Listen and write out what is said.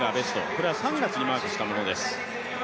これは３月にマークしたものです。